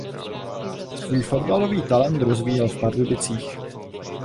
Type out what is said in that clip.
Svůj fotbalový talent rozvíjel v Pardubicích.